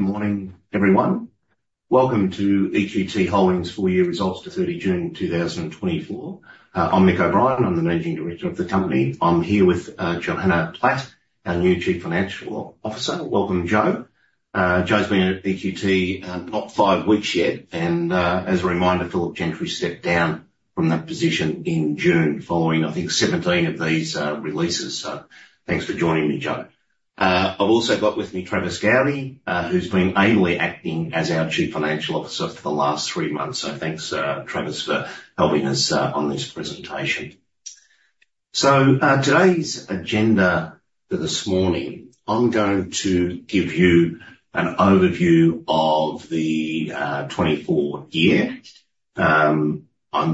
Good morning, everyone. Welcome to Equity Holdings' full year results to 30 June 2024. I'm Mick O'Brien, I'm the Managing Director of the company. I'm here with Johanna Platt, our new Chief Financial Officer. Welcome, Jo. Jo's been at EQT, not five weeks yet, and, as a reminder, Philip Gentry stepped down from that position in June following, I think, seventeen of these releases. So thanks for joining me, Jo. I've also got with me Travis Goudie, who's been ably acting as our Chief Financial Officer for the last three months. So thanks, Travis, for helping us on this presentation. So, today's agenda for this morning, I'm going to give you an overview of the 2024 year. I'm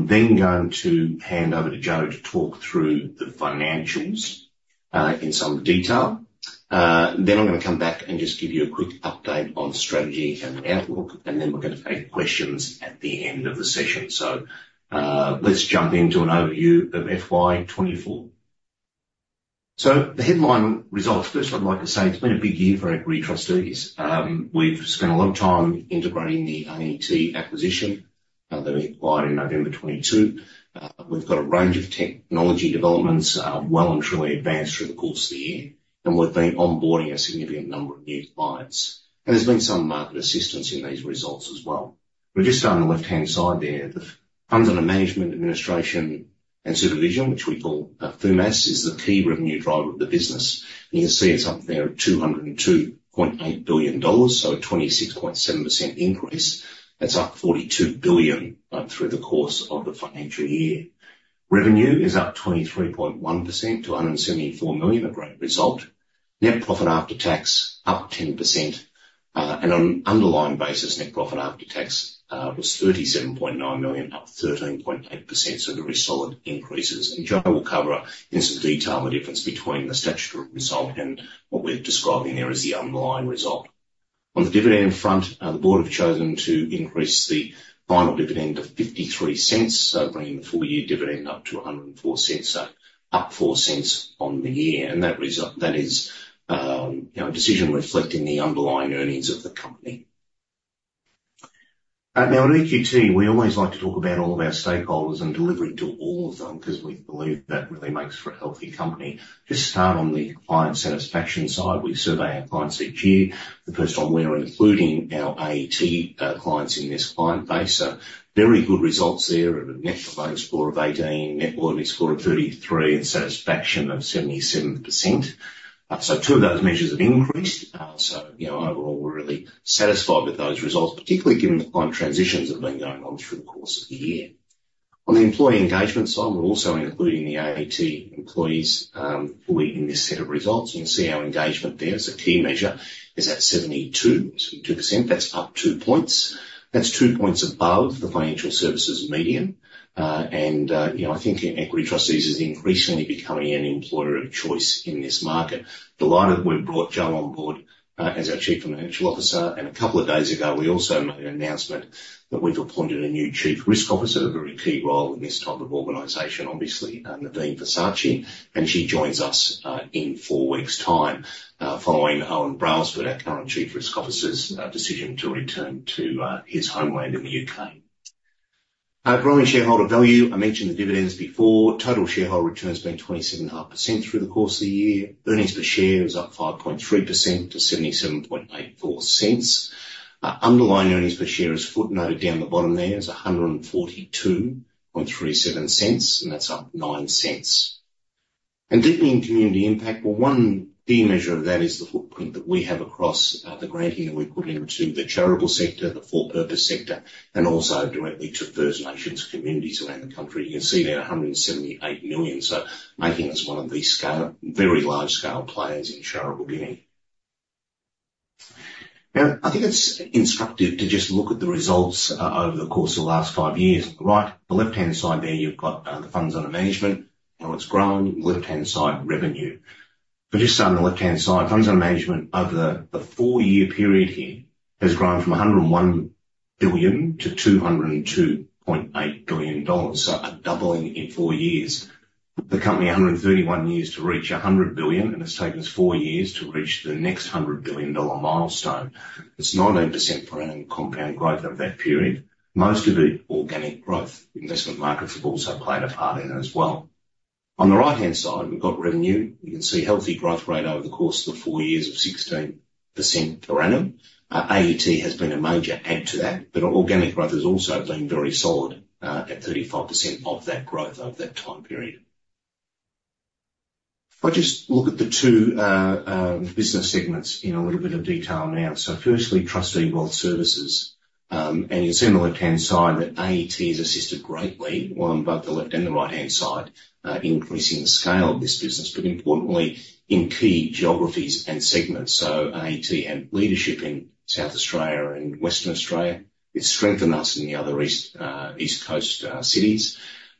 then going to hand over to Jo to talk through the financials in some detail. Then I'm going to come back and just give you a quick update on strategy and outlook, and then we're going to take questions at the end of the session. So, let's jump into an overview of FY 2024. So the headline results. First, I'd like to say it's been a big year for Equity Trustees. We've spent a long time integrating the AET acquisition that we acquired in November 2022. We've got a range of technology developments, well and truly advanced through the course of the year, and we've been onboarding a significant number of new clients. And there's been some market assistance in these results as well. We're just on the left-hand side there, the funds under management, administration, and supervision, which we call FUMAS, is the key revenue driver of the business. You can see it's up there at AUD 202.8 billion, so a 26.7% increase. That's up AUD 42 billion through the course of the financial year. Revenue is up 23.1% to 174 million, a great result. Net profit after tax, up 10%. And on an underlying basis, net profit after tax was 37.9 million, up 13.8%. So very solid increases, and Jo will cover in some detail the difference between the statutory result and what we're describing there as the underlying result. On the dividend front, the board have chosen to increase the final dividend to 0.53, so bringing the full year dividend up to 1.04, so up 0.04 on the year. That result, that is, you know, a decision reflecting the underlying earnings of the company. Now, at Equity, we always like to talk about all of our stakeholders and delivering to all of them, because we believe that really makes for a healthy company. Just start on the client satisfaction side. We survey our clients each year. The first time we're including our AET clients in this client base. Very good results there at a Net Promoter Score of 18, Net Loyalty Score of 33, and satisfaction of 77%. Two of those measures have increased. You know, overall, we're really satisfied with those results, particularly given the client transitions that have been going on through the course of the year. On the employee engagement side, we're also including the AET employees fully in this set of results. You can see our engagement there as a key measure is at 72, 72%. That's up two points. That's two points above the financial services median. And, you know, I think Equity Trustees is increasingly becoming an employer of choice in this market. Delighted we've brought Johanna on board, as our Chief Financial Officer, and a couple of days ago, we also made an announcement that we've appointed a new Chief Risk Officer, a very key role in this type of organization, obviously, Nevein Versace, and she joins us, in four weeks' time, following Owen Brailsford, our current Chief Risk Officer's, decision to return to, his homeland in the U.K. Growing shareholder value, I mentioned the dividends before. Total shareholder return has been 27.5% through the course of the year. Earnings per share is up 5.3% to AUD 0.7784. Underlying earnings per share is footnoted down the bottom there, is 1.4237, and that's up 0.09, and deepening community impact. Well, one key measure of that is the footprint that we have across the granting that we put into the charitable sector, the for-purpose sector, and also directly to First Nations communities around the country. You can see there, 178 million, so making us one of the scale - very large-scale players in charitable giving. Now, I think it's instructive to just look at the results over the course of the last five years. On the right - the left-hand side there, you've got the funds under management, how it's growing, left-hand side, revenue. But just on the left-hand side, funds under management over the four-year period here has grown from 101 billion to 202.8 billion dollars, so a doubling in four years. The company took 131 years to reach 100 billion, and it's taken us four years to reach the next 100 billion dollar milestone. It's 19% per annum compound growth over that period, most of it organic growth. Investment markets have also played a part in it as well. On the right-hand side, we've got revenue. You can see healthy growth rate over the course of the four years of 16% per annum. AET has been a major add to that, but our organic growth has also been very solid, at 35% of that growth over that time period. If I just look at the two business segments in a little bit of detail now. So firstly, trustee and wealth services. And you'll see on the left-hand side that AET has assisted greatly on both the left and the right-hand side, increasing the scale of this business, but importantly in key geographies and segments. So AET had leadership in South Australia and Western Australia. It's strengthened us in the other east coast cities,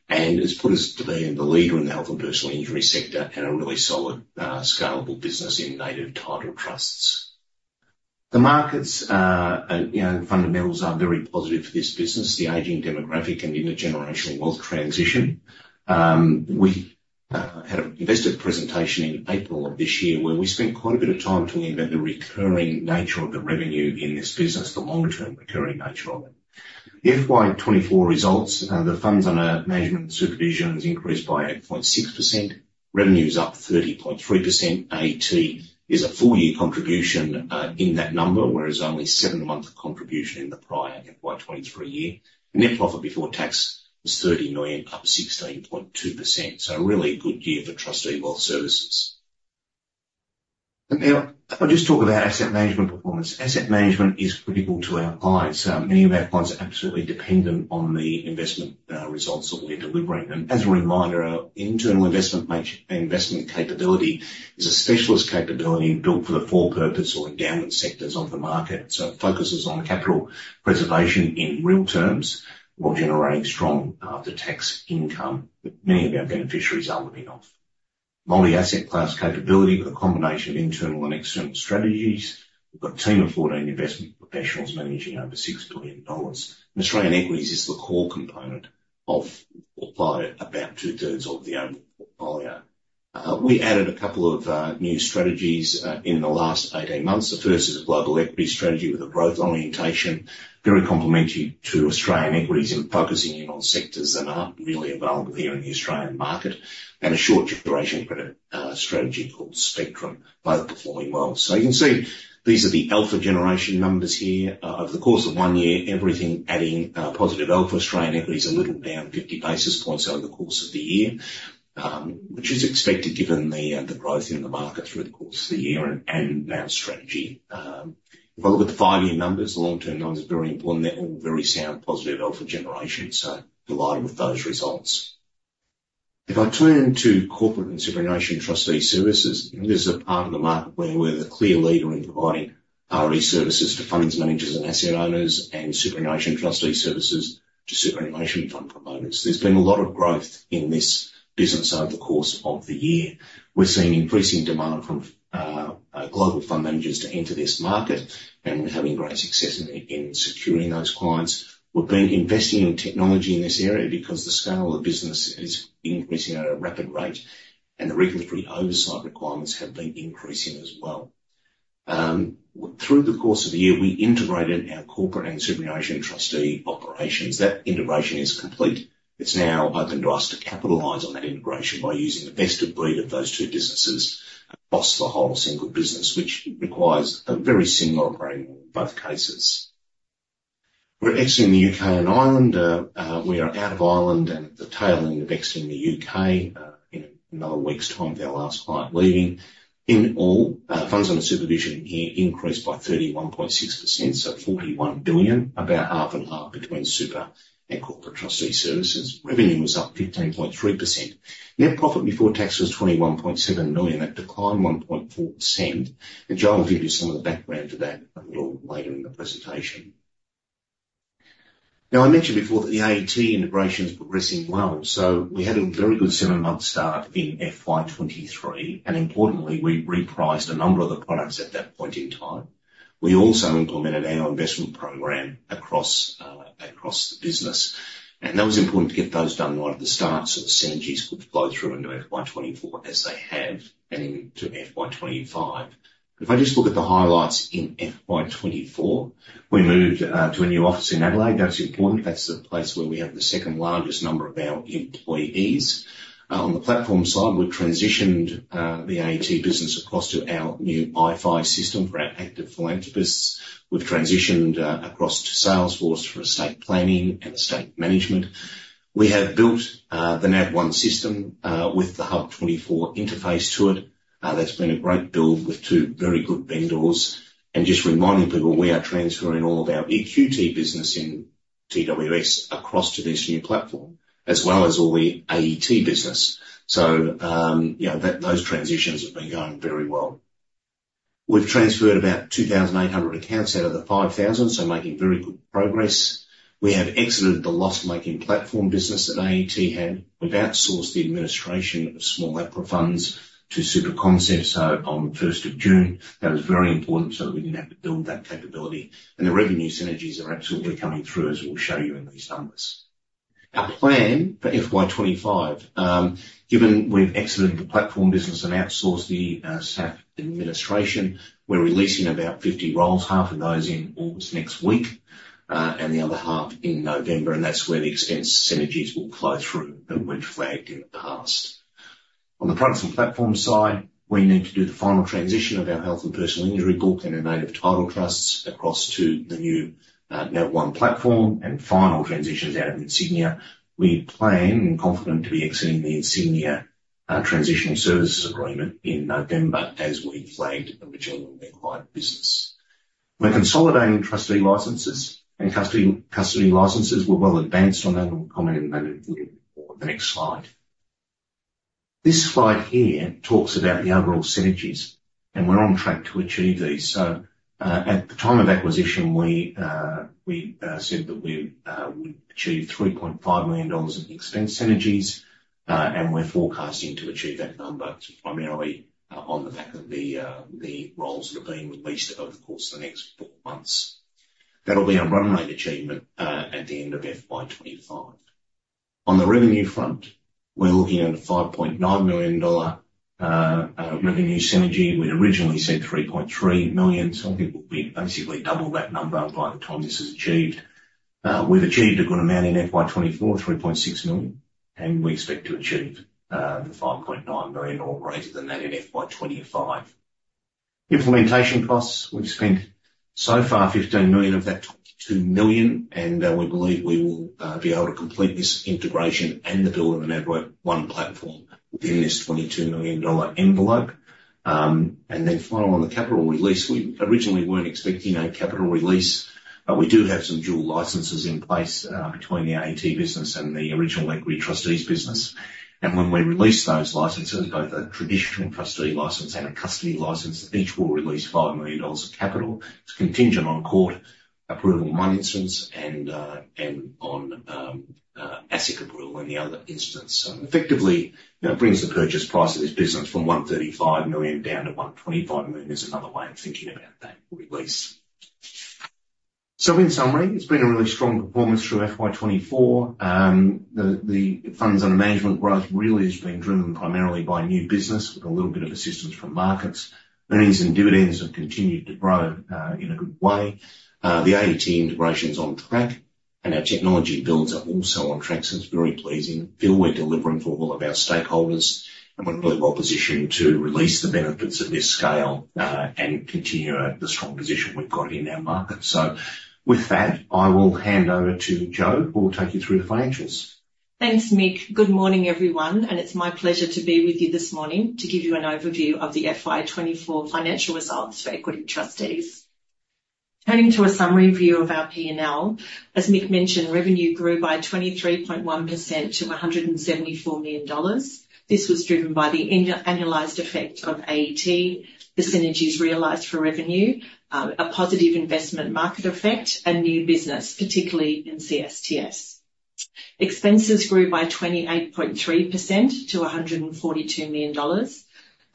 and it's put us to being the leader in the health and personal injury sector and a really solid scalable business in Native Title trusts. The markets, and, you know, the fundamentals are very positive for this business, the aging demographic and intergenerational wealth transition. We had an investor presentation in April of this year, where we spent quite a bit of time talking about the recurring nature of the revenue in this business, the long-term recurring nature of it. The FY 2024 results, the funds under management supervision has increased by 8.6%. Revenue is up 30.3%. AET is a full year contribution in that number, whereas only seven months of contribution in the prior FY 2023 year. Net profit before tax was 30 million, up 16.2%. So a really good year for Trustee Wealth Services. And now I'll just talk about asset management performance. Asset management is critical to our clients. Many of our clients are absolutely dependent on the investment results that we're delivering. As a reminder, our internal investment capability is a specialist capability built for the for-purpose or endowment sectors of the market. It focuses on capital preservation in real terms, while generating strong after-tax income that many of our beneficiaries are living off. Multi-asset class capability with a combination of internal and external strategies. We've got a team of 14 investment professionals managing over 6 billion dollars. Australian equities is the core component of, or by about two-thirds of the overall portfolio. We added a couple of new strategies in the last 18 months. The first is a global equity strategy with a growth orientation, very complementary to Australian equities and focusing in on sectors that aren't really available here in the Australian market, and a short-duration credit strategy called Spectrum, both performing well. So you can see these are the alpha generation numbers here. Over the course of one year, everything adding positive alpha. Australian equities are a little down, 50 basis points over the course of the year, which is expected given the growth in the market through the course of the year and our strategy. If I look at the five-year numbers, the long-term numbers are very important. They are all very sound, positive alpha generation, so delighted with those results. If I turn to Corporate and Superannuation Trustee Services, this is a part of the market where we are the clear leader in providing RE services to funds, managers and asset owners, and superannuation trustee services to superannuation fund promoters. There has been a lot of growth in this business over the course of the year. We're seeing increasing demand from global fund managers to enter this market, and we're having great success in securing those clients. We've been investing in technology in this area because the scale of business is increasing at a rapid rate, and the regulatory oversight requirements have been increasing as well. Through the course of the year, we integrated our corporate and superannuation trustee operations. That integration is complete. It's now open to us to capitalize on that integration by using the best of breed of those two businesses across the whole single business, which requires a very similar operating model in both cases. We're exiting the UK and Ireland. We are out of Ireland and at the tail end of exiting the UK, in another week's time, with our last client leaving. In all, funds under supervision here increased by 31.6%, so 41 billion, about half and half between super and corporate trustee services. Revenue was up 15.3%. Net profit before tax was 21.7 million. That declined 1.4%, and John will give you some of the background to that a little later in the presentation. Now, I mentioned before that the AET integration is progressing well, so we had a very good seven-month start in FY 2023, and importantly, we repriced a number of the products at that point in time. We also implemented our investment program across the business, and that was important to get those done right at the start, so the synergies could flow through into FY 2024 as they have, and into FY 2025. If I just look at the highlights in FY 2024, we moved to a new office in Adelaide. That's important. That's the place where we have the second largest number of our employees. On the platform side, we've transitioned the AET business across to our new iPhi system for our active philanthropists. We've transitioned across to Salesforce for estate planning and estate management. We have built the NavOne system with the HUB24 interface to it. That's been a great build with two very good vendors. And just reminding people, we are transferring all of our EQT business in TWS across to this new platform, as well as all the AET business. So, you know, those transitions have been going very well. We've transferred about 2,800 accounts out of the 5,000, so making very good progress. We have exited the loss-making platform business that AET had. We've outsourced the administration of small APRA funds to SuperConcepts, so on the first of June, that was very important, so we didn't have to build that capability, and the revenue synergies are absolutely coming through, as we'll show you in these numbers. Our plan for FY 25, given we've exited the platform business and outsourced the SAF administration, we're releasing about 50 roles, half of those in almost next week, and the other half in November, and that's where the expense synergies will flow through that we've flagged in the past. On the products and platform side, we need to do the final transition of our health and personal injury book and our Native Title trusts across to the new NavOne platform, and final transitions out of Insignia. We plan and are confident to be exiting the Insignia Transition Services Agreement in November, as we flagged originally with their client business. We're consolidating trustee licenses and custody licenses. We're well advanced on that, and we'll comment on that in the next slide. This slide here talks about the overall synergies, and we're on track to achieve these. At the time of acquisition, we said that we would achieve 3.5 million dollars in expense synergies, and we're forecasting to achieve that number, primarily on the back of the roles that are being released over the course of the next four months. That'll be a run rate achievement at the end of FY 2025. On the revenue front, we're looking at a 5.9 million dollar revenue synergy. We'd originally said 3.3 million, so I think we'll be basically double that number by the time this is achieved. We've achieved a good amount in FY 2024, 3.6 million, and we expect to achieve the 5.9 million or greater than that in FY 2025. Implementation costs. We've spent so far 15 million of that 22 million, and we believe we will be able to complete this integration and the build of the NavOne platform within this 22 million dollar envelope. And then finally, on the capital release, we originally weren't expecting a capital release, but we do have some dual licenses in place between the AET business and the original Equity Trustees business. And when we release those licenses, both a traditional trustee license and a custody license, each will release 5 million dollars of capital. It's contingent on court approval in one instance and on ASIC approval in the other instance. So effectively, that brings the purchase price of this business from 135 million down to 125 million, is another way of thinking about that release. So in summary, it's been a really strong performance through FY 2024. The funds under management growth really has been driven primarily by new business, with a little bit of assistance from markets. Earnings and dividends have continued to grow in a good way. The AET integration is on track, and our technology builds are also on track, so it's very pleasing. Feel we're delivering for all of our stakeholders, and we're really well positioned to release the benefits of this scale and continue at the strong position we've got in our market. So with that, I will hand over to Jo, who will take you through the financials. Thanks, Mick. Good morning, everyone, and it's my pleasure to be with you this morning to give you an overview of the FY 2024 financial results for Equity Trustees. Turning to a summary view of our P&L, as Mick mentioned, revenue grew by 23.1% to 174 million dollars. This was driven by the annualized effect of AET, the synergies realized for revenue, a positive investment market effect, and new business, particularly in CSTS. Expenses grew by 28.3% to 142 million dollars.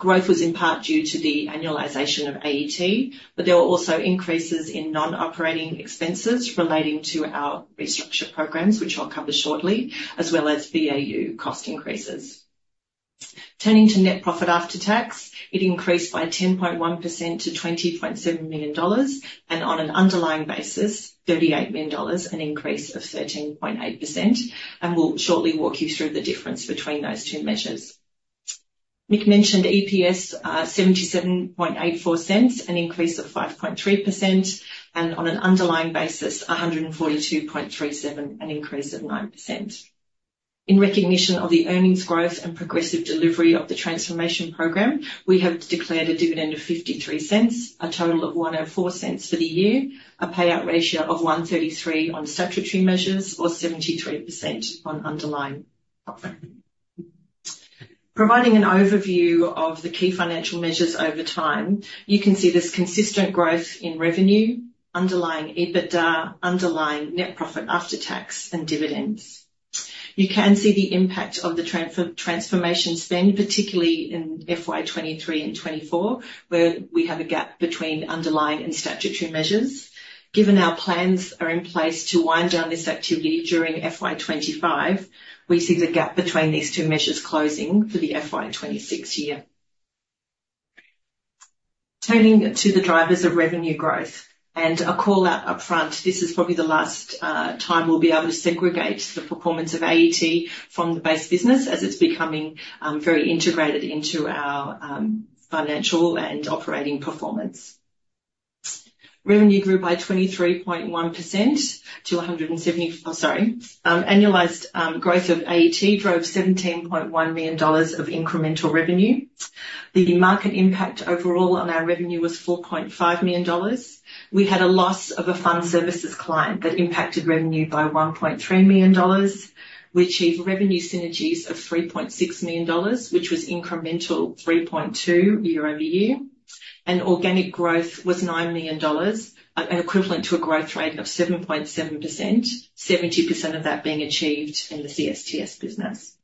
Growth was in part due to the annualization of AET, but there were also increases in non-operating expenses relating to our restructure programs, which I'll cover shortly, as well as BAU cost increases. Turning to net profit after tax, it increased by 10.1% to 20.7 million dollars, and on an underlying basis, 38 million dollars, an increase of 13.8%, and we'll shortly walk you through the difference between those two measures. Mick mentioned EPS, 0.7784, an increase of 5.3%, and on an underlying basis, 1.4237, an increase of 9%. In recognition of the earnings growth and progressive delivery of the transformation program, we have declared a dividend of 0.53, a total of 1.04 for the year, a payout ratio of 133% on statutory measures or 73% on underlying profit. Providing an overview of the key financial measures over time, you can see there's consistent growth in revenue, underlying EBITDA, underlying net profit after tax, and dividends. You can see the impact of the transformation spend, particularly in FY 2023 and 2024, where we have a gap between underlying and statutory measures. Given our plans are in place to wind down this activity during FY 2025, we see the gap between these two measures closing for the FY 2026 year. Turning to the drivers of revenue growth, and a call-out upfront, this is probably the last time we'll be able to segregate the performance of AET from the base business, as it's becoming very integrated into our financial and operating performance. Revenue grew by 23.1% to 170... Sorry. Annualized growth of AET drove AUD 17.1 million of incremental revenue. The market impact overall on our revenue was AUD 4.5 million. We had a loss of a fund services client that impacted revenue by AUD 1.3 million. We achieved revenue synergies of AUD 3.6 million, which was incremental 3.2 year over year, and organic growth was AUD 9 million, and equivalent to a growth rate of 7.7%, 70% of that being achieved in the CSTS business.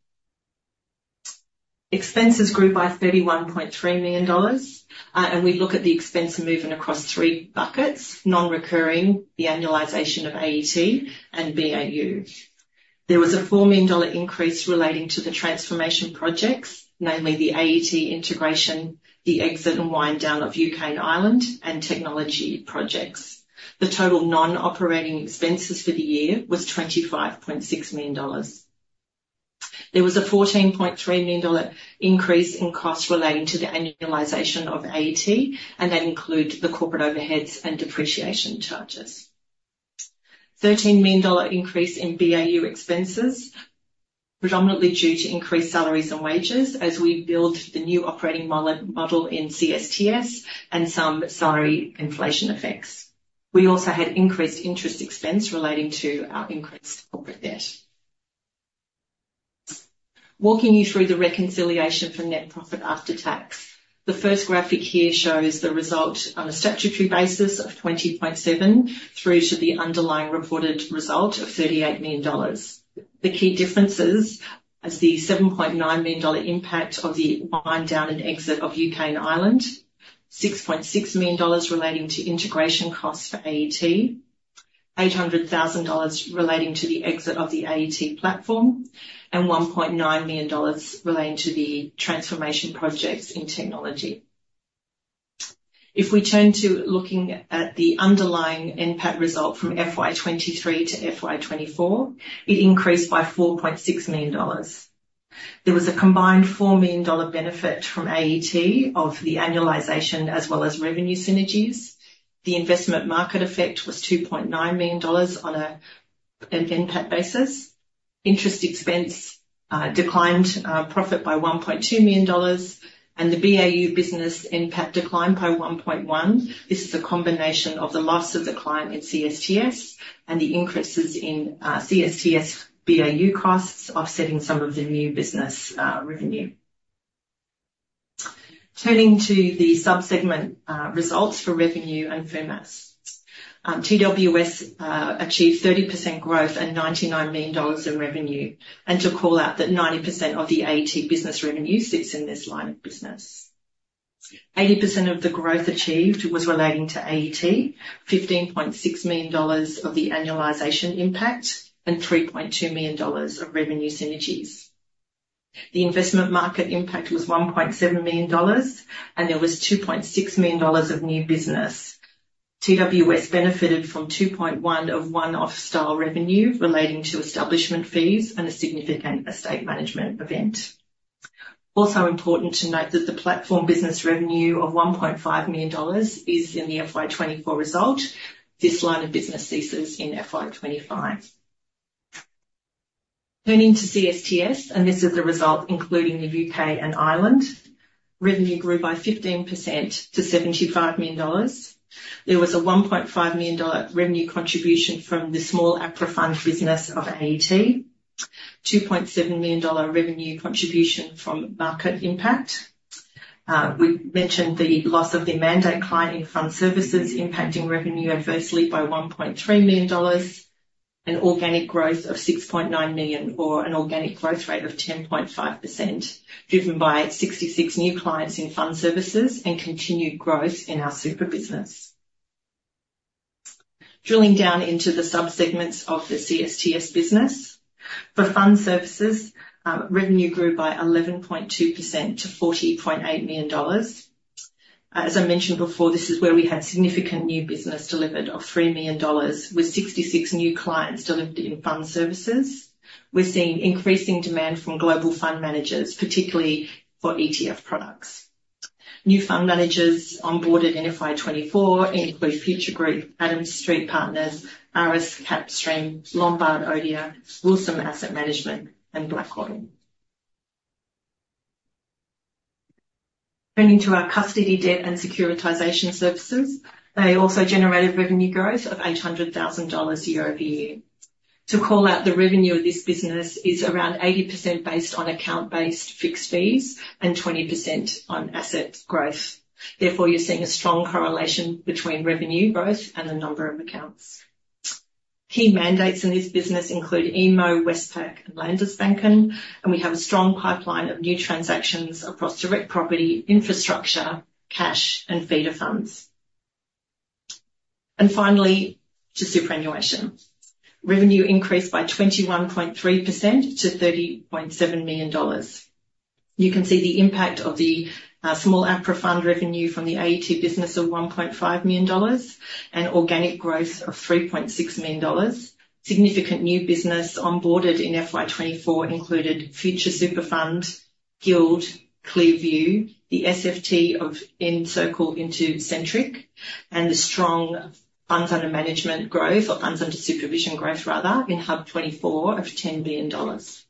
Expenses grew by 31.3 million dollars, and we look at the expense movement across three buckets: non-recurring, the annualization of AET, and BAU. There was a AUD 4 million increase relating to the transformation projects, namely the AET integration, the exit and wind down of UK and Ireland, and technology projects. The total non-operating expenses for the year was 25.6 million dollars. There was a 14.3 million dollar increase in costs relating to the annualization of AET, and that includes the corporate overheads and depreciation charges. 13 million dollar increase in BAU expenses, predominantly due to increased salaries and wages as we build the new operating model in CSTS and some salary inflation effects. We also had increased interest expense relating to our increased corporate debt. Walking you through the reconciliation for net profit after tax. The first graphic here shows the result on a statutory basis of 20.7 through to the underlying reported result of 38 million. The key differences is the 7.9 million dollar impact of the wind down and exit of UK and Ireland, 6.6 million dollars relating to integration costs for AET. 800,000 dollars relating to the exit of the AET platform, and 1.9 million dollars relating to the transformation projects in technology. If we turn to looking at the underlying NPAT result from FY 2023 to FY 2024, it increased by 4.6 million dollars. There was a combined 4 million dollar benefit from AET of the annualization as well as revenue synergies. The investment market effect was 2.9 million dollars on an NPAT basis. Interest expense declined profit by 1.2 million dollars, and the BAU business NPAT declined by 1.1 million. This is a combination of the loss of the client in CSTS and the increases in CSTS BAU costs, offsetting some of the new business revenue. Turning to the sub-segment results for revenue and FUMAS. TWS achieved 30% growth and 99 million dollars in revenue, and to call out that 90% of the AET business revenue sits in this line of business. 80% of the growth achieved was relating to AET, 15.6 million dollars of the annualization impact, and 3.2 million dollars of revenue synergies. The investment market impact was 1.7 million dollars, and there was 2.6 million dollars of new business. TWS benefited from 2.1 million of one-off style revenue relating to establishment fees and a significant estate management event. Also important to note that the platform business revenue of 1.5 million dollars is in the FY 2024 result. This line of business ceases in FY 2025. Turning to CSTS, and this is the result including the UK and Ireland. Revenue grew by 15% to 75 million dollars. There was a 1.5 million dollar revenue contribution from the small APRA fund business of AET, 2.7 million dollar revenue contribution from market impact. We mentioned the loss of the mandate client in fund services impacting revenue adversely by 1.3 million dollars, an organic growth of 6.9 million, or an organic growth rate of 10.5%, driven by 66 new clients in fund services and continued growth in our super business. Drilling down into the sub-segments of the CSTS business. For fund services, revenue grew by 11.2% to 40.8 million dollars. As I mentioned before, this is where we had significant new business delivered of 3 million dollars, with 66 new clients delivered in fund services. We're seeing increasing demand from global fund managers, particularly for ETF products. New fund managers onboarded in FY 2024 include Future Group, Adams Street Partners, Ares Management, Kapstream Capital, Lombard Odier, Wilson Asset Management, and BlackRock. Turning to our custody, debt, and securitization services. They also generated revenue growth of 800,000 dollars year-over-year. To call out, the revenue of this business is around 80% based on account-based fixed fees and 20% on asset growth. Therefore, you're seeing a strong correlation between revenue growth and the number of accounts. Key mandates in this business include AEMO, Westpac and Landesbank Baden-Württemberg, and we have a strong pipeline of new transactions across direct property, infrastructure, cash, and feeder funds. And finally, to superannuation. Revenue increased by 21.3% to 30.7 million dollars. You can see the impact of the small APRA fund revenue from the AET business of 1.5 million dollars and organic growth of 3.6 million dollars. Significant new business onboarded in FY 2024 included Future Super Fund, Guild, ClearView, the SFT of Encircle into Centric, and the strong funds under management growth or funds under supervision growth, rather, in HUB24 of 10 billion dollars.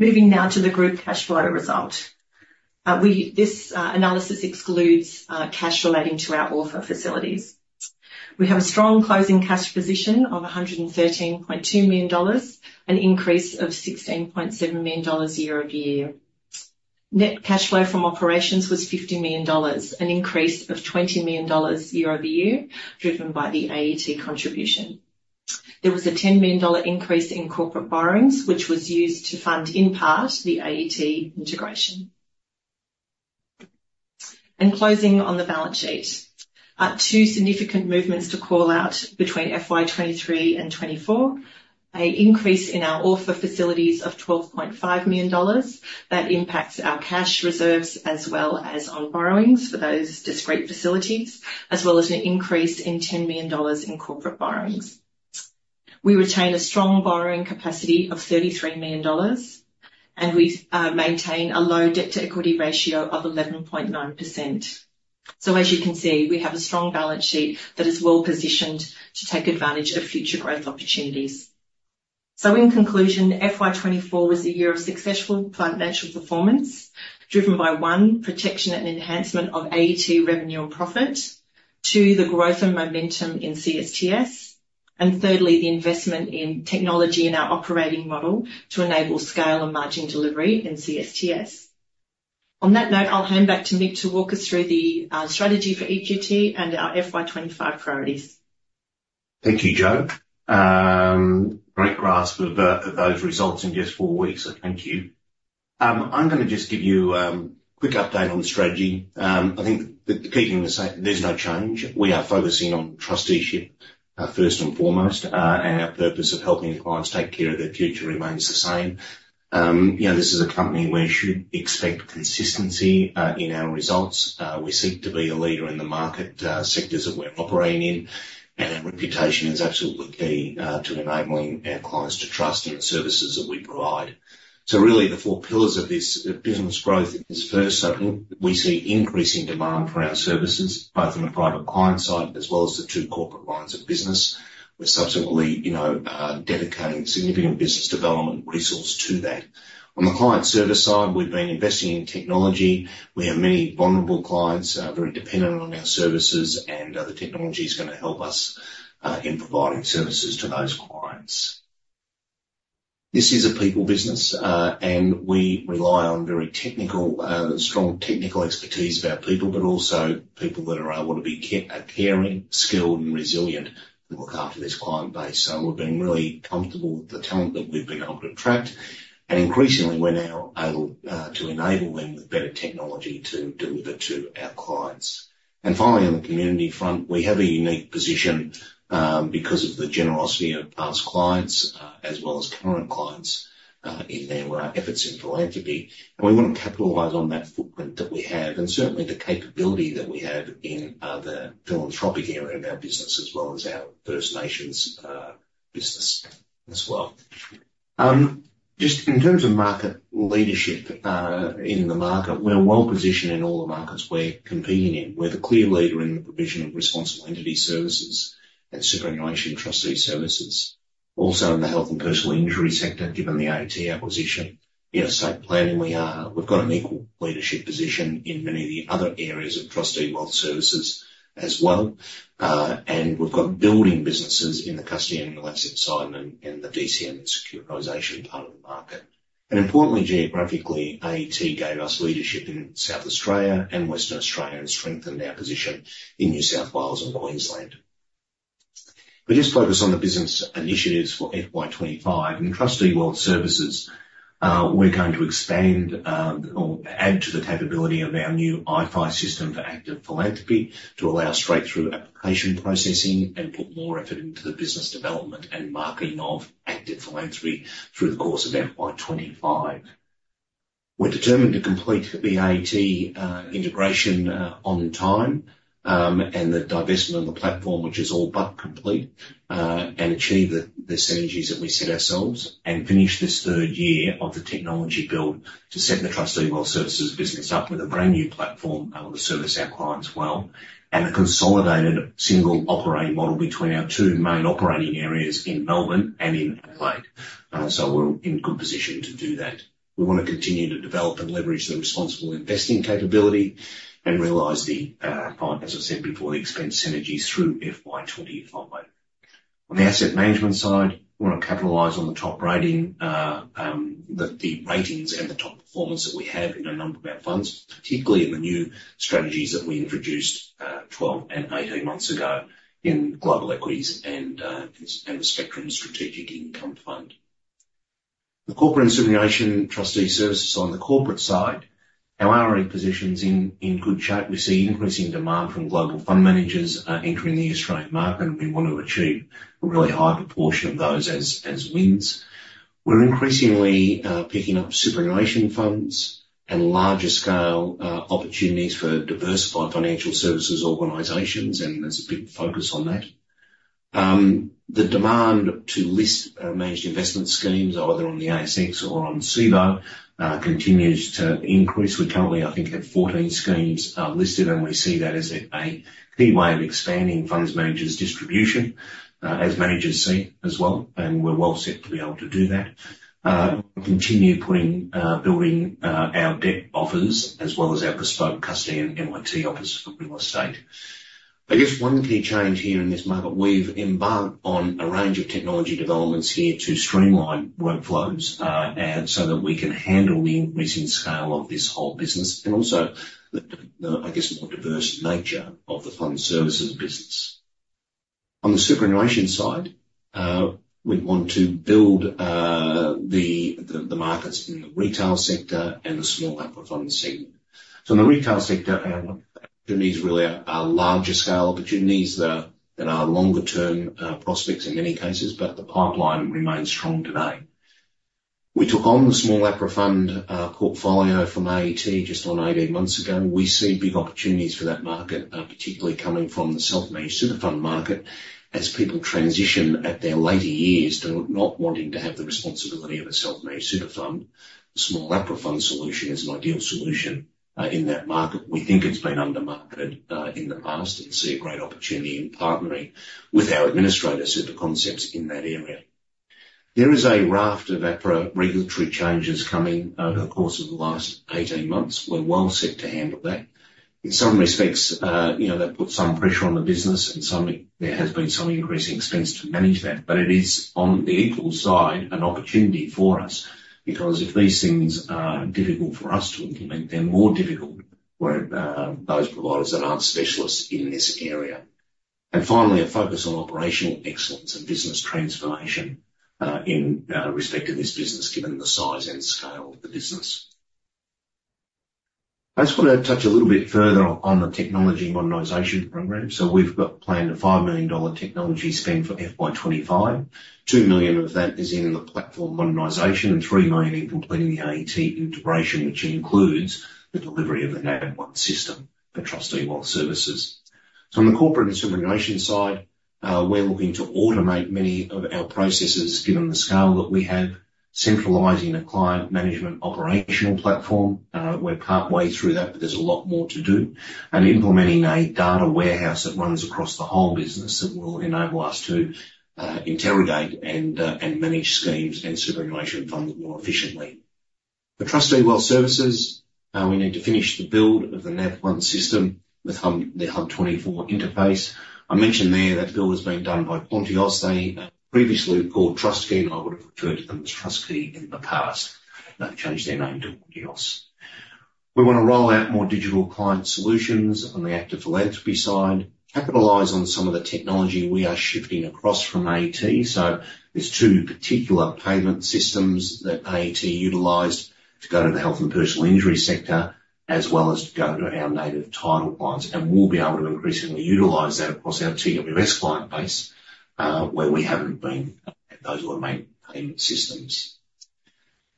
Moving now to the group cash flow result. This analysis excludes cash relating to our offer facilities. We have a strong closing cash position of 113.2 million dollars, an increase of 16.7 million dollars year over year. Net cash flow from operations was 50 million dollars, an increase of 20 million dollars year over year, driven by the AET contribution. There was a 10 million dollar increase in corporate borrowings, which was used to fund, in part, the AET integration. Closing on the balance sheet. Two significant movements to call out between FY 2023 and 2024: an increase in our other facilities of 12.5 million dollars. That impacts our cash reserves as well as on borrowings for those discrete facilities, as well as an increase in 10 million dollars in corporate borrowings. We retain a strong borrowing capacity of 33 million dollars, and we maintain a low debt-to-equity ratio of 11.9%. As you can see, we have a strong balance sheet that is well positioned to take advantage of future growth opportunities. In conclusion, FY 2024 was a year of successful financial performance, driven by, one, protection and enhancement of AET revenue and profit. Two, the growth and momentum in CSTS. And thirdly, the investment in technology and our operating model to enable scale and margin delivery in CSTS. On that note, I'll hand back to Mick to walk us through the strategy for EQT and our FY 2025 priorities. Thank you, Jo. Great grasp of those results in just four weeks. Thank you. I'm gonna just give you a quick update on the strategy. I think that keeping the same, there's no change. We are focusing on trusteeship first and foremost, and our purpose of helping clients take care of their future remains the same. You know, this is a company where you should expect consistency in our results. We seek to be a leader in the market sectors that we're operating in, and our reputation is absolutely key to enabling our clients to trust in the services that we provide. So really, the four pillars of this business growth is, first, I think we see increasing demand for our services, both in the private client side as well as the two corporate lines of business. We're subsequently, you know, dedicating significant business development resource to that. On the client service side, we've been investing in technology. We have many vulnerable clients, very dependent on our services, and the technology is going to help us in providing services to those clients. This is a people business, and we rely on very technical, strong technical expertise of our people, but also people that are able to be caring, skilled, and resilient to look after this client base. So we've been really comfortable with the talent that we've been able to attract, and increasingly, we're now able to enable them with better technology to deliver to our clients. And finally, on the community front, we have a unique position because of the generosity of past clients as well as current clients in their efforts in philanthropy. And we want to capitalize on that footprint that we have, and certainly the capability that we have in the philanthropic area of our business, as well as our First Nations business as well. Just in terms of market leadership in the market, we're well positioned in all the markets we're competing in. We're the clear leader in the provision of responsible entity services and superannuation trustee services. Also, in the health and personal injury sector, given the AT acquisition, in estate planning, we are. We've got an Equal leadership position in many of the other areas of Trustee Wealth Services as well. And we've got building businesses in the custody and related side and the DCM and securitization part of the market. And importantly, geographically, AT gave us leadership in South Australia and Western Australia, and strengthened our position in New South Wales and Queensland. But just focus on the business initiatives for FY 25. In Trustee Wealth Services, we're going to expand, or add to the capability of our new iPhi system for active philanthropy, to allow straight-through application processing and put more effort into the business development and marketing of active philanthropy through the course of FY 25. We're determined to complete the AET integration on time, and the divestment on the platform, which is all but complete, and achieve the synergies that we set ourselves, and finish this third year of the technology build to set the Trustee and Wealth Services business up with a brand-new platform that will service our clients well, and a consolidated single operating model between our two main operating areas in Melbourne and in Adelaide. So we're in good position to do that. We want to continue to develop and leverage the responsible investing capability and realize, as I said before, the expense synergies through FY 2025. On the asset management side, we want to capitalize on the top rating, the ratings and the top performance that we have in a number of our funds, particularly in the new strategies that we introduced 12 and 18 months ago in global equities and the Spectrum Strategic Income Fund. The corporate administration trustee services on the corporate side, our RE position's in good shape. We see increasing demand from global fund managers entering the Australian market, and we want to achieve a really high proportion of those as wins. We're increasingly picking up superannuation funds and larger scale opportunities for diversified financial services organizations, and there's a big focus on that. The demand to list managed investment schemes, either on the ASX or on Cboe, continues to increase. We currently, I think, have 14 schemes listed, and we see that as a key way of expanding funds managers' distribution, as managers see as well, and we're well set to be able to do that. We'll continue building our debt offers as well as our bespoke custody and MIT offers for real estate. I guess one key change here in this market, we've embarked on a range of technology developments here to streamline workflows, and so that we can handle the increasing scale of this whole business and also the, I guess, more diverse nature of the fund services business. On the superannuation side, we want to build the markets in the retail sector and the small APRA fund segment. So in the retail sector, our opportunities really are larger scale opportunities that are longer-term prospects in many cases, but the pipeline remains strong today. We took on the small APRA fund portfolio from AT just on eighteen months ago. We see big opportunities for that market, particularly coming from the self-managed super fund market. As people transition at their later years to not wanting to have the responsibility of a self-managed super fund, small APRA fund solution is an ideal solution in that market. We think it's been under-marketed in the past, and we see a great opportunity in partnering with our administrator, SuperConcepts, in that area. There is a raft of APRA regulatory changes coming over the course of the last eighteen months. We're well set to handle that. In some respects, you know, that put some pressure on the business and there has been some increasing expense to manage that. But it is, on the upside, an opportunity for us, because if these things are difficult for us to implement, they're more difficult for those providers that aren't specialists in this area. And finally, a focus on operational excellence and business transformation, in respect to this business, given the size and scale of the business. I just want to touch a little bit further on the technology modernization program. We've got planned a 5 million dollar technology spend for FY 2025. 2 million of that is in the platform modernization, and 3 million, including the AET integration, which includes the delivery of the NavOne system for Trustee Wealth Services. On the corporate and superannuation side, we're looking to automate many of our processes, given the scale that we have, centralizing the client management operational platform. We're partway through that, but there's a lot more to do. Implementing a data warehouse that runs across the whole business, that will enable us to interrogate and manage schemes and superannuation funds more efficiently. The Trustee Wealth Services, we need to finish the build of the NavOne system with HUB24, the HUB24 interface. I mentioned there that build is being done by Quantios, they previously called TrustQuay, and I would have referred to them as TrustQuay in the past. They've changed their name to Quantios. We want to roll out more digital client solutions on the active philanthropy side, capitalize on some of the technology we are shifting across from AET. So there's two particular payment systems that AET utilized to go to the health and personal injury sector, as well as to go to our Native Title clients. And we'll be able to increasingly utilize that across our TWS client base, where we haven't been those automated payment systems.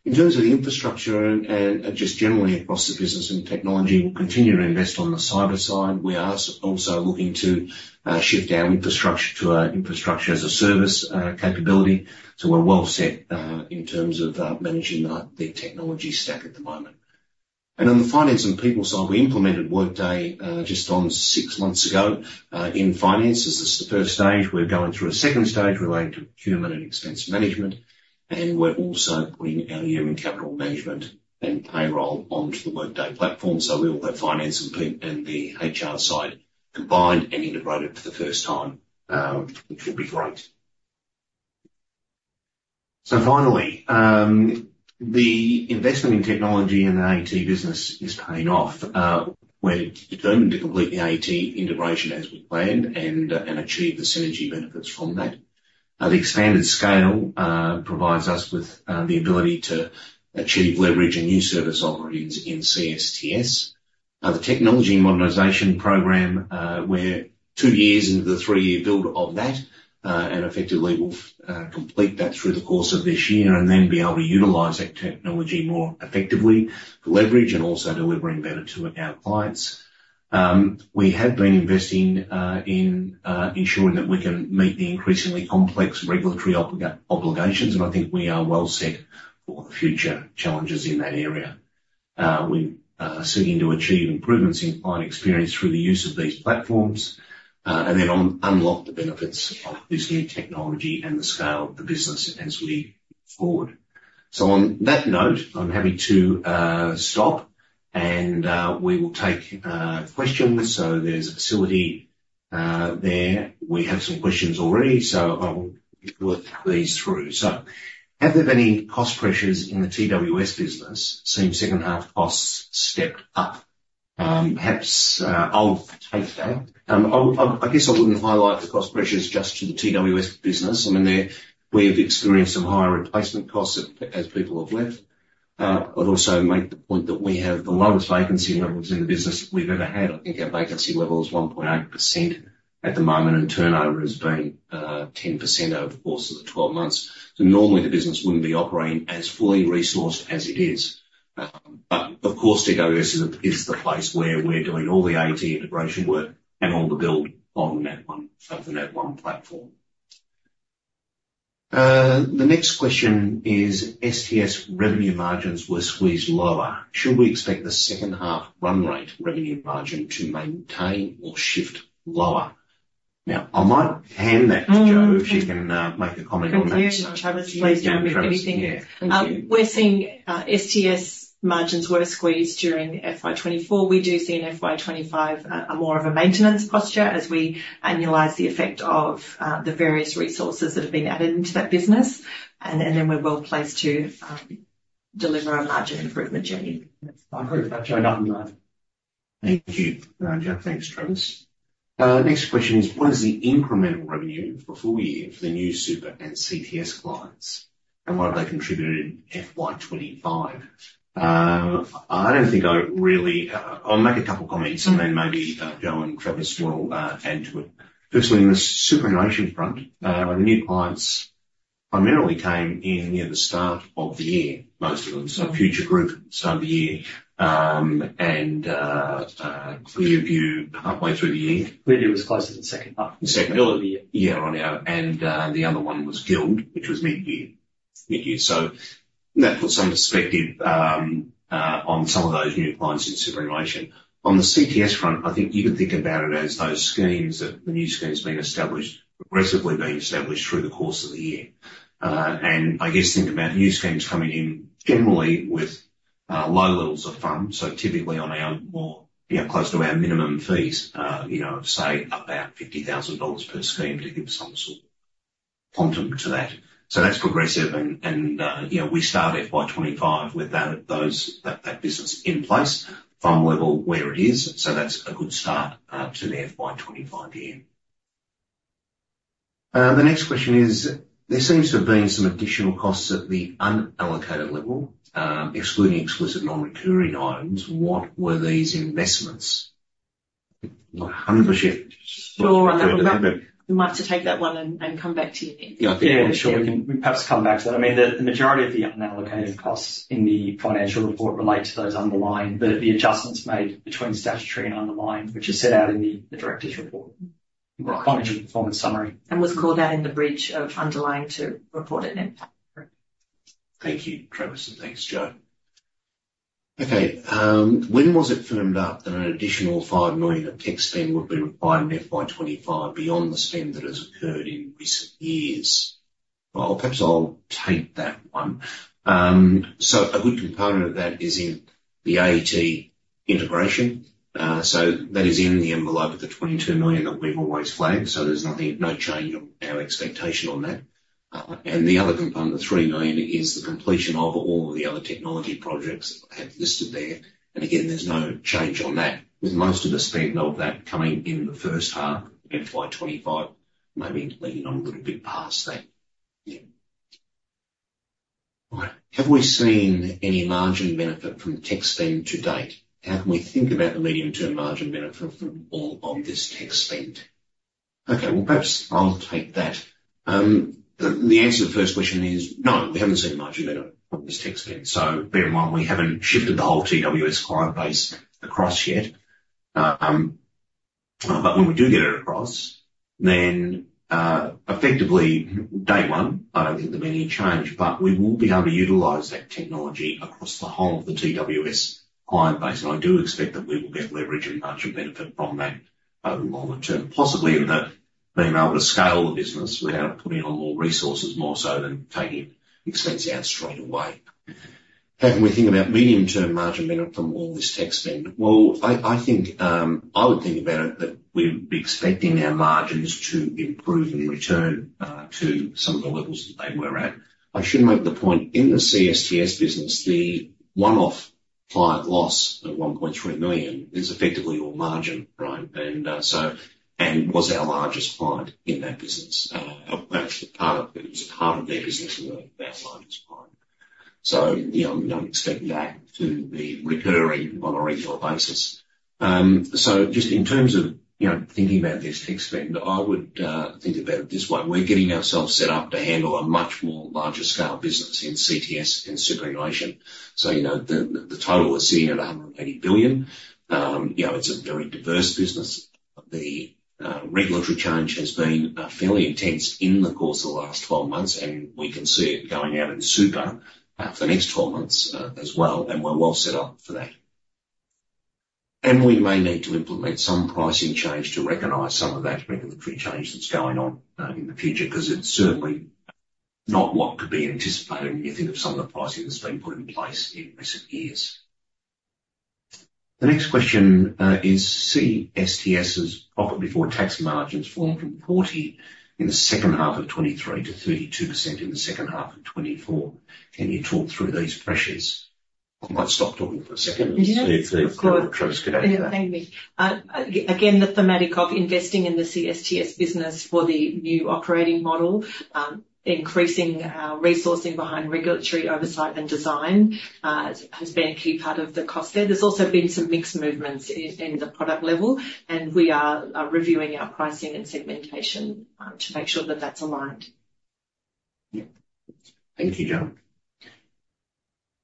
In terms of the infrastructure and just generally across the business and technology, we'll continue to invest on the cyber side. We are also looking to shift our infrastructure to our infrastructure as a service capability. So we're well set in terms of managing the technology stack at the moment. And on the finance and people side, we implemented Workday just on six months ago in finances. This is the first stage. We're going through a second stage relating to procurement and expense management, and we're also putting our human capital management and payroll onto the Workday platform. So we will have finance and payroll and the HR side combined and integrated for the first time, which will be great. So finally, the investment in technology and the AET business is paying off. We're determined to complete the AET integration as we planned and achieve the synergy benefits from that. The expanded scale provides us with the ability to achieve leverage and new service offerings in CSTS. The technology modernization program, we're two years into the three-year build of that, and effectively we'll complete that through the course of this year and then be able to utilize that technology more effectively, leverage, and also delivering better to our clients. We have been investing in ensuring that we can meet the increasingly complex regulatory obligations, and I think we are well set for the future challenges in that area. We're seeking to achieve improvements in client experience through the use of these platforms, and then unlock the benefits of this new technology and the scale of the business as we move forward. So on that note, I'm happy to stop and we will take questions. So there's a facility there. We have some questions already, so I will work these through. So have there been any cost pressures in the TWS business? Seems second half costs stepped up. Perhaps I'll take that. I'll, I guess I wouldn't highlight the cost pressures just to the TWS business. I mean, there we've experienced some higher replacement costs as people have left. I'd also make the point that we have the lowest vacancy levels in the business we've ever had. I think our vacancy level is 1.8% at the moment, and turnover has been 10% over the course of the 12 months. So normally, the business wouldn't be operating as fully resourced as it is. But of course, TWS is the place where we're doing all the AET integration work and all the build on the NavOne, of the NavOne platform. The next question is, STS revenue margins were squeezed lower. Should we expect the second half run rate revenue margin to maintain or shift lower? Now, I might hand that to Jo, if she can make a comment on that. Sure, Travis, please go with anything. Yeah. Thank you. We're seeing CSTS margins were squeezed during FY 2024. We do see in FY 2025 a more of a maintenance posture as we annualize the effect of the various resources that have been added into that business. And then we're well placed to deliver a margin improvement journey. I agree with that, Jo. Nothing to add. Thank you, Jo. Thanks, Travis. Next question is, what is the incremental revenue for full year for the new super and CTS clients, and what have they contributed in FY 2025? I don't think I really. I'll make a couple of comments, and then maybe Jo and Travis will add to it. Firstly, on the superannuation front, our new clients primarily came in near the start of the year, most of them. So Future Group, start of the year, and ClearView, halfway through the year. ClearView was closer to the second half. The second half of the year, yeah, on our, And the other one was Guild, which was mid-year. So that puts some perspective on some of those new clients in superannuation. On the CTS front, I think you can think about it as those schemes that the new schemes being established, progressively being established through the course of the year. And I guess think about new schemes coming in generally with low levels of funds. So typically on our more, you know, close to our minimum fees, you know, say about 50,000 dollars per scheme to give some sort of quantum to that. So that's progressive, and you know, we start FY 2025 with that, those, that business in place, FUM level where it is, so that's a good start to the FY 2025 year. The next question is: There seems to have been some additional costs at the unallocated level, excluding explicit non-recurring items. What were these investments? Not 100% sure. Sure, I'll have a look at that. We might have to take that one and come back to you then. Yeah, I think- Yeah, sure. We can perhaps come back to that. I mean, the majority of the unallocated costs in the financial report relate to those underlying adjustments made between statutory and underlying, which is set out in the directors' report. Right. Financial performance summary. And was called out in the bridge from underlying to reported net. Thank you, Travis, and thanks, Jo. Okay, when was it firmed up that an additional 5 million of tech spend would be required in FY 2025 beyond the spend that has occurred in recent years? Perhaps I'll take that one. So a good component of that is in the AET integration. So that is in the envelope of the 22 million that we've always flagged, so there's nothing, no change in our expectation on that. And the other component, the 3 million, is the completion of all of the other technology projects I have listed there, and again, there's no change on that, with most of the spend of that coming in the first half of FY 2025, maybe leaning on a little bit past that. Yeah. All right. Have we seen any margin benefit from the tech spend to date? How can we think about the medium-term margin benefit from all of this tech spend? Okay, well, perhaps I'll take that. The answer to the first question is no, we haven't seen a margin benefit from this tech spend, so bear in mind, we haven't shifted the whole TWS client base across yet. But when we do get it across, then, effectively, day one, I don't think there'll be any change, but we will be able to utilize that technology across the whole of the TWS client base, and I do expect that we will get leverage and margin benefit from that over the longer term, possibly in the being able to scale the business without putting on more resources, more so than taking expense out straight away. How can we think about medium-term margin benefit from all this tech spend? I think I would think about it that we'd be expecting our margins to improve and return to some of the levels that they were at. I should make the point, in the CSTS business, the one-off client loss of 1.3 million is effectively all margin, right, and so was our largest client in that business. Actually, part of it, it was a part of their business and our largest client, so you know, we don't expect that to be recurring on a regular basis, so just in terms of, you know, thinking about this tech spend, I would think about it this way: We're getting ourselves set up to handle a much more larger scale business in CTS and superannuation. So, you know, the total we're seeing at 180 billion, you know, it's a very diverse business. The regulatory change has been fairly intense in the course of the last twelve months, and we can see it going out in super for the next twelve months, as well, and we're well set up for that. And we may need to implement some pricing change to recognize some of that regulatory change that's going on, in the future, because it's certainly not what could be anticipated when you think of some of the pricing that's been put in place in recent years. The next question is CSTS's profit before tax margins fell from 40% in the second half of 2023 to 32% in the second half of 2024. Can you talk through these pressures? I might stop talking for a second. Yeah. See if Travis can handle that. Again, the thematic of investing in the CSTS business for the new operating model, increasing our resourcing behind regulatory oversight and design, has been a key part of the cost there. There's also been some mixed movements in the product level, and we are reviewing our pricing and segmentation, to make sure that that's aligned. Yeah. Thank you, Jo.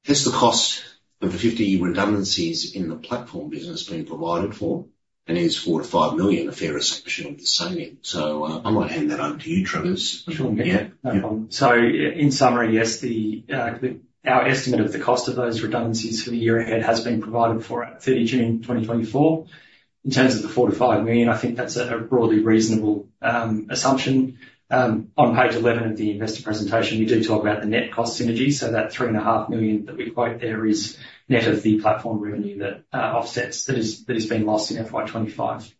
Has the cost of the 50 redundancies in the platform business been provided for, and is 4-5 million a fair assumption of the saving? So, I might hand that over to you, Travis. Sure. Yeah. No problem. So in summary, yes, our estimate of the cost of those redundancies for the year ahead has been provided for at 30 June 2024. In terms of the 4-5 million, I think that's a broadly reasonable assumption. On page 11 of the investor presentation, we do talk about the net cost synergies. So that 3.5 million that we quote there is net of the platform revenue that offsets, that is, that is being lost in FY 2025.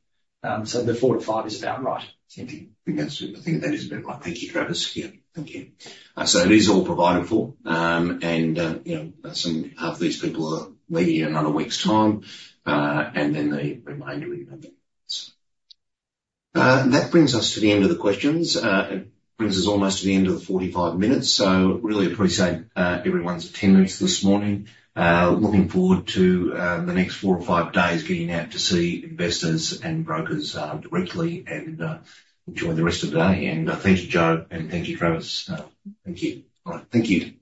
So the 4-5 is about right. Thank you. I think that's, I think that is about right. Thank you, Travis. Yeah. Thank you. So it is all provided for. You know, half these people are leaving in another week's time, and then the remainder will go. That brings us to the end of the questions. It brings us almost to the end of the forty-five minutes, so really appreciate everyone's attendance this morning. Looking forward to the next four or five days, getting out to see investors and brokers directly, and enjoy the rest of the day, and thank you, Jo, and thank you, Travis. Thank you. All right. Thank you.